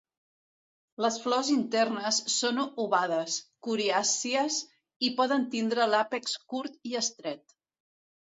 Les flors internes són ovades, coriàcies, i poden tindre l'àpex curt i estret.